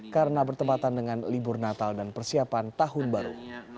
karena bertempatan dengan libur natal dan persiapan tahun baru